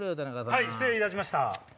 はい失礼いたしました。